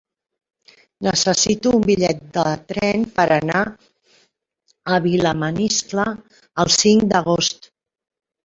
Necessito un bitllet de tren per anar a Vilamaniscle el cinc d'agost.